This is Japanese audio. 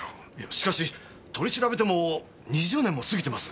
しかし取り調べても２０年も過ぎてます。